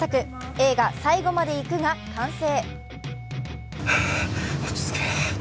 映画・「最後まで行く」が完成。